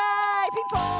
ピンポーン！